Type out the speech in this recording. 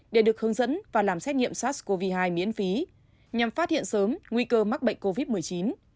để được hướng dẫn và làm xét nghiệm sars cov hai miễn phí nhằm phát hiện sớm nguy cơ mắc bệnh covid một mươi chín